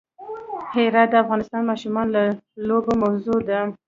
هرات د افغان ماشومانو د لوبو موضوع ده.